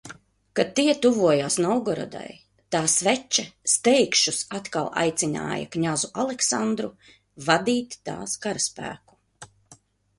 Kad tie tuvojās Novgorodai, tās veče steigšus atkal aicināja kņazu Aleksandru vadīt tās karaspēku.